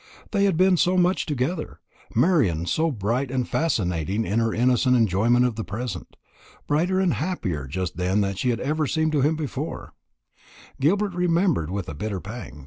They had been so much together, Marian so bright and fascinating in her innocent enjoyment of the present, brighter and happier just then than she had ever seemed to him before, Gilbert remembered with a bitter pang.